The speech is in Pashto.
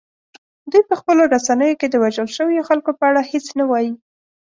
دوی په خپلو رسنیو کې د وژل شویو خلکو په اړه هیڅ نه وايي